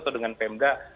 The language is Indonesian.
atau dengan pemda